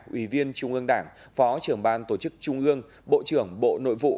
ủy viên trung ương đảng phó trưởng ban tổ chức trung ương bộ trưởng bộ nội vụ